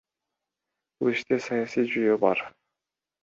Бул иште саясий жүйөө бар.